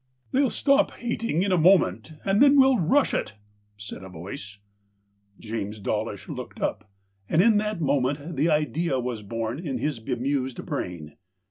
128 THE COWARD " They'll stop hating in a moment and then we'll rush it," said a voice. James Dawlish looked up, and in that moment the idea was born in his bemused brain.